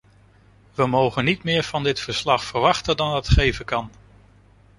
We mogen niet meer van dit verslag verwachten dan het geven kan.